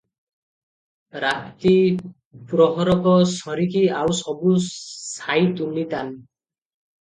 ରାତି ପ୍ରହରକ ସରିକି ଆଉ ସବୁ ସାଇ ତୁନିତାନ ।